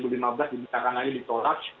dimintakan lagi disolak